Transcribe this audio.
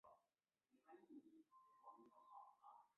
美国利克天文台的观测队也在巴东观测了日全食。